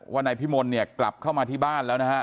นายพิมลเนี่ยกลับเข้ามาที่บ้านแล้วนะฮะ